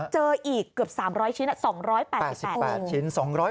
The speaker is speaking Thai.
เจออีกเกือบ๓๐๐ชิ้น๒๘๘ชิ้น